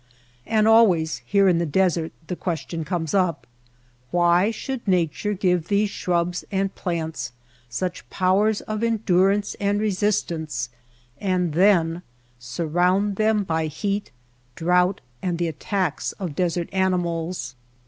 And always here in the desert the question comes up : Why should ISTature give these shrubs and plants such powers of endurance and resistance, and then surround them by heat, drouth, and the attacks of desert animals